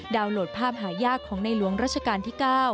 โหลดภาพหายากของในหลวงรัชกาลที่๙